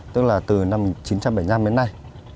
tức là từ năm một nghìn chín trăm bảy mươi năm đến nay